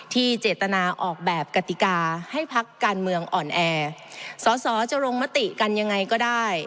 เจตนาออกแบบกติกาให้พักการเมืองอ่อนแอสอสอจะลงมติกันยังไงก็ได้